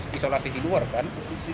ini kan isolasi di luar kan